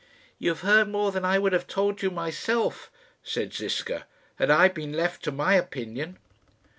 "You have heard more than I would have told you myself," said Ziska, "had I been left to my opinion."